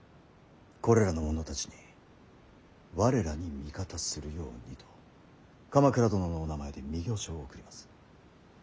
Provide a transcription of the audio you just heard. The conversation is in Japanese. これらの者たちに我らに味方するようにと鎌倉殿のお名前で御教書を送ります。